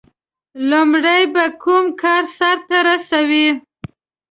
• لومړی به کوم کار سر ته رسوي؟